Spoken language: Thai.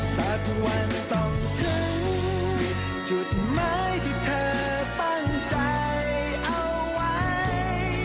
สักวันต้องถึงจุดหมายที่เธอตั้งใจเอาไว้